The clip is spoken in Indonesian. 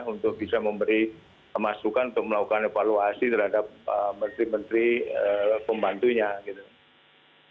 untuk bisa memberi masukan untuk melakukan evaluasi terhadap menteri menteri pembantunya gitu